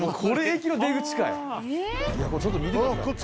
いやこれちょっと見てください。